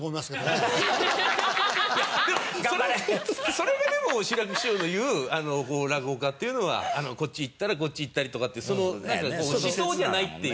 それがでも志らく師匠の言う落語家っていうのはこっち行ったらこっち行ったりとかっていう思想じゃないっていう。